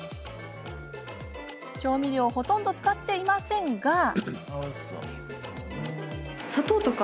調味料をほとんど使っていませんが。